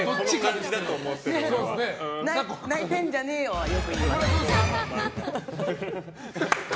泣いてんじゃねえよはよく言います。